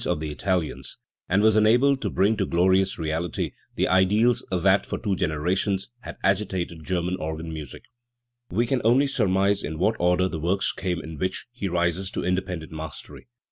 The Weimar Preludes and Fugues, 269 the Italians, and was enabled to bring to glorious reality the ideals that for two generations had agitated German organ music. We can only surmise in what order the works came in which he rises to independent mastery*.